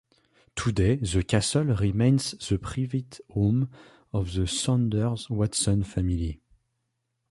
Today the castle remains the private home of the Saunders-Watson family.